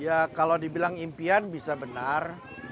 ya kalau dibilang impian bisa benar